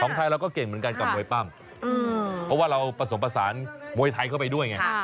ไทยเราก็เก่งเหมือนกันกับมวยปั้มเพราะว่าเราผสมผสานมวยไทยเข้าไปด้วยไง